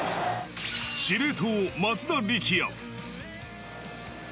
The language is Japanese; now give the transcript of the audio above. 司令塔・松田力也。